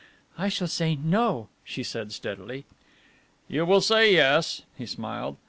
'" "I shall say 'No!'" she said steadily. "You will say 'Yes,'" he smiled.